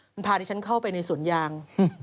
มันพาดิฉันเข้าไปในสวนยาง